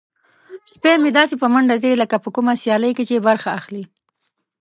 سپی مې داسې په منډه ځي لکه په کومه سیالۍ کې چې برخه اخلي.